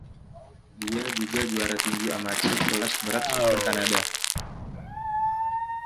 Dia juga juara tinju amatir kelas berat super Kanada.